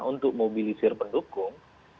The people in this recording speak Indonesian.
untuk mobilisir pendukung